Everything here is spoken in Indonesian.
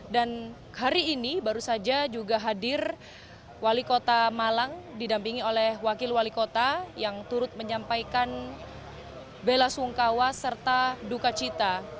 dan hari ini baru saja juga hadir wali kota malang didampingi oleh wakil wali kota yang turut menyampaikan bela sungkawa serta duka cita